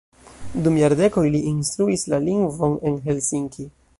Dum jardekoj li instruis la lingvon en Helsinki.